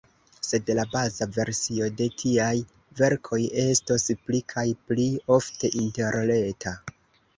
Sed la baza versio de tiaj verkoj estos pli kaj pli ofte interreta.